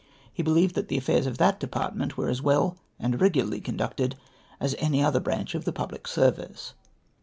He believed that the affairs of that department were as well and regularly con ducted as any other branch of the public service.